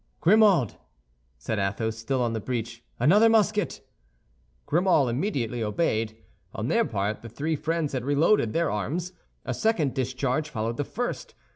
"Grimaud," said Athos, still on the breach, "another musket!" Grimaud immediately obeyed. On their part, the three friends had reloaded their arms; a second discharge followed the first.